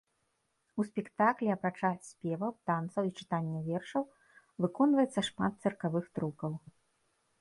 У спектаклі, апрача спеваў, танцаў і чытання вершаў, выконваецца шмат цыркавых трукаў.